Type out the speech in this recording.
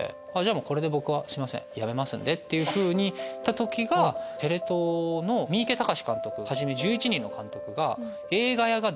これで僕はやめますんでっていうふうに言った時がテレ東の三池崇史監督はじめ１１人の監督が。